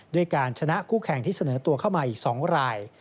ด้วยการชนะคู่แข่งที่เสนอตัวเข้ามาอีก๒ราย